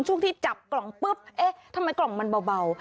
ช่วงที่จับกล่องปุ๊บเอ๊ะทำไมกล่องมันเบา